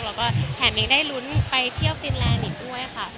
แล้วก็แถมยังได้ลุ้นไปเที่ยวฟินแลนด์อีกด้วยค่ะ